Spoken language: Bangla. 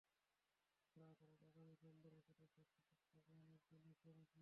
পরে আদালত আগামী সোমবার একাদশ সাক্ষীর সাক্ষ্য গ্রহণের দিন ধার্য রাখেন।